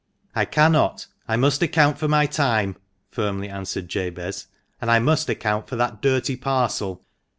" I cannot ; I must account for my time," firmly answered Jabez, "and I must account for that dirty parcel."